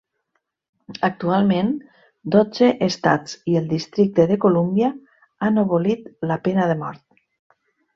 Actualment dotze estats i el Districte de Colúmbia han abolit la pena de mort.